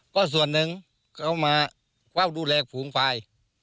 ก็ส่วนหนึ่งเขามาเฝ้าดูแลฝูงควาย